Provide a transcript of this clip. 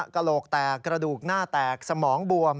กระโหลกแตกกระดูกหน้าแตกสมองบวม